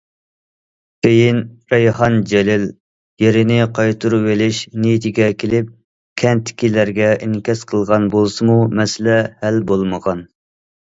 كېيىن رەيھان جېلىل يېرىنى قايتۇرۇۋېلىش نىيىتىگە كېلىپ كەنتتىكىلەرگە ئىنكاس قىلغان بولسىمۇ، مەسىلە ھەل بولمىغان.